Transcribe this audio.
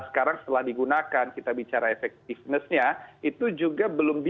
nah sekarang setelah digunakan kita bicara efektivitasnya itu juga belum dikira